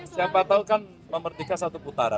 siapa tau kan pemerintah satu putaran